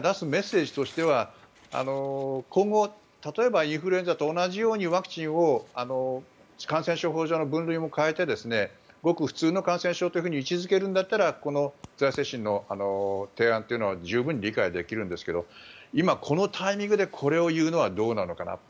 やっぱり、政府が出すメッセージとしては今後、例えばインフルエンザと同じようにワクチンを感染症法上の分類も変えてごく普通の感染症と位置付けるならこの財政審の提案というのは十分に理解できるんですが今このタイミングでこれを言うのはどうなのかなと。